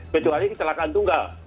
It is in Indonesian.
kecuali kecelakaan tunggal